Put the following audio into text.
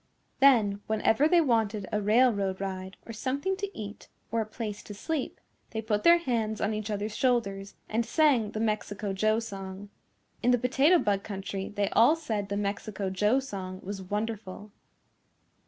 Then whenever they wanted a railroad ride or something to eat or a place to sleep, they put their hands on each other's shoulders and sang the Mexico Joe song. In the Potato Bug Country they all said the Mexico Joe song was wonderful.